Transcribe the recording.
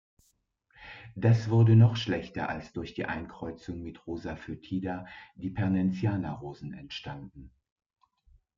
Das wurde noch schlechter, als durch die Einkreuzung mit "Rosa foetida" die "Pernetiana-Rosen" entstanden.